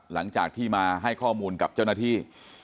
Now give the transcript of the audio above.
หลังจากที่มาให้ข้อมูลกับเจ้าหน้าที่